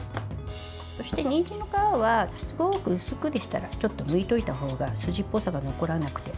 そして、にんじんの皮はすごく薄くでしたらちょっと、むいておいたほうが筋っぽさが残らなくて。